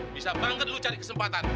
bisa banget lu cari kesempatan